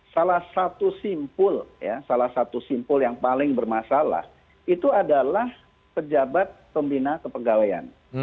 salah satu simpul yang paling bermasalah itu adalah pejabat pembina kepegawaian